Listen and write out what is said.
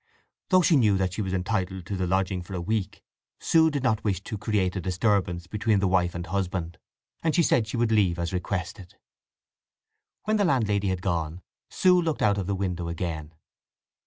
Though she knew that she was entitled to the lodging for a week, Sue did not wish to create a disturbance between the wife and husband, and she said she would leave as requested. When the landlady had gone Sue looked out of the window again.